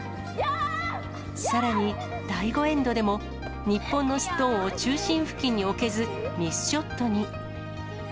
さらに、第５エンドでも、日本のストーンを中心付近に置けず、ミスショットに。